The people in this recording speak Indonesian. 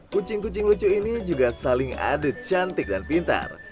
kucing kucing lucu ini juga saling adu cantik dan pintar